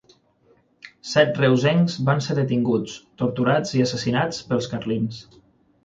Set reusencs van ser detinguts, torturats i assassinats pels carlins.